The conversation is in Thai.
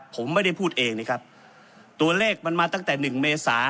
ผมไม่ได้พูดเองนะครับตัวเลขมันมาตั้งแต่หนึ่งเมษา